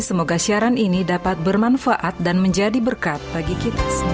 semoga siaran ini dapat bermanfaat dan menjadi berkat bagi kita semua